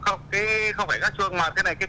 có một cái bờ rất là cao